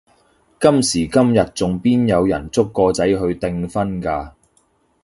今時今日仲邊有人捉個仔去訂婚㗎？